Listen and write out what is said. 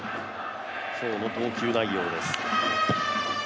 今日の投球内容です。